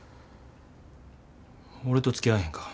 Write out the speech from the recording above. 俺とつきあわへんか。